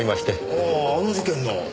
あああの事件の？